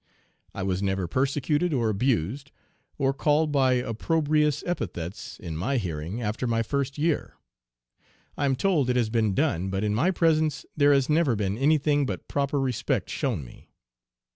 I was never persecuted, or abused, or called by approbrious epithets in my hearing after my first year. I am told it has been done, but in my presence there has never been any thing but proper respect shown me.